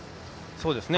そうですね。